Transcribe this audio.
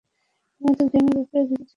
তোমার গেমের ব্যাপারে কিছু জিজ্ঞেস করতে পারি?